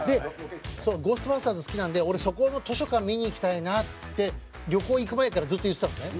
『ゴーストバスターズ』好きなんで「俺そこの図書館見に行きたいな」って旅行行く前からずっと言ってたんですね。